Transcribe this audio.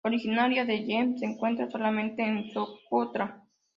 Originaria de Yemen, se encuentra solamente en Socotra.